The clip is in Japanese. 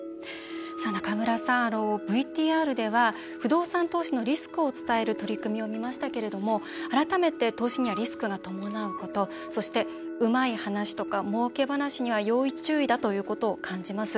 中村さん、ＶＴＲでは不動産投資のリスクを伝える取り組みを見ましたけれども改めて投資にはリスクが伴うことそして、うまい話とかもうけ話には要注意だということを感じます。